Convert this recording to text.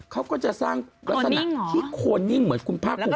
เขาก็จะสร้างลักษณะที่โคนนิ่งเหมือนคุณภาคภูมิ